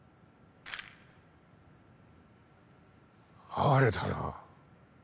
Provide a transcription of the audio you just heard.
哀れだな。